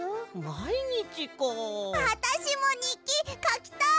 あたしもにっきかきたい！